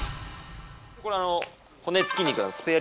これあの骨付き肉スペアリブ。